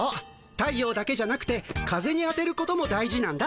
太陽だけじゃなくて風に当てることも大事なんだ。